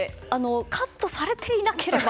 カットされていなければ。